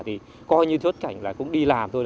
thì coi như chốt cảnh là cũng đi làm thôi